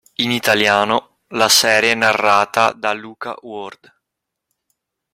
In italiano, la serie è narrata da Luca Ward.